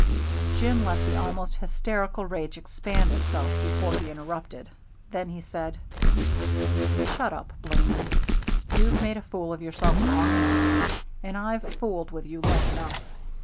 Jim let the almost hysterical rage expend itself before he interrupted. Then he said: "Shut up, Blaney. You've made a fool of yourself long enough. And I've fooled with you long enough.